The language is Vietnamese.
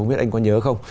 không biết anh có nhớ không